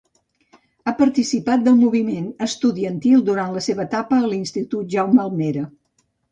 Ha participat del moviment estudiantil durant la seva etapa a l'Institut Jaume Almera.